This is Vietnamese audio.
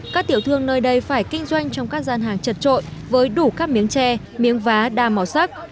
các tiểu thương nơi đây phải kinh doanh trong các gian hàng chật trội với đủ các miếng tre miếng vá đa màu sắc